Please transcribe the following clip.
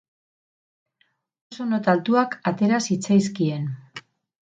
oso nota altuak atera zitzaizkien.